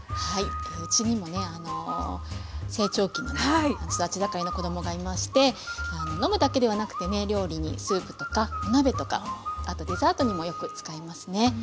うちにもね成長期の育ち盛りの子供がいまして飲むだけではなくてね料理にスープとかお鍋とかあとデザートにもよく使いますね。